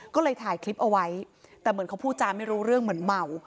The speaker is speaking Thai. ก็เลยถ่ายคลิปเอาไว้แต่เหมือนเขาพูดจาไม่รู้เรื่องเหมือนเมา